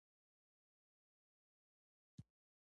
په افغانستان کې د مورغاب سیند شتون لري.